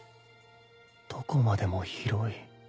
どこまでも広い。